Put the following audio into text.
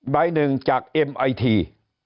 ใบหนึ่งจากเอ็มไอที